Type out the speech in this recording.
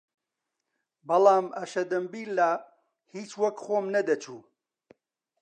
بەڵام ئەشەدەمبیللا هیچ وەک خۆم نەدەچوو